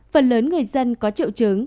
phần lớn người dân có triệu chứng